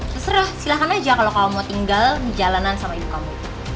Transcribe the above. terserah silahkan aja kalau kamu mau tinggal di jalanan sama ibu kamu